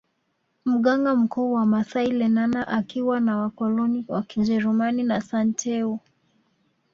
Mganga mkuu wa maasai Lenana akiwa na wakoloni wa kijerumani na Santeu